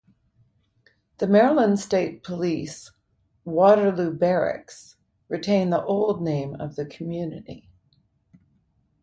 The Maryland State Police Waterloo barracks retain the old name of the community.